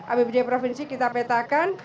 abbd provinsi kita petakan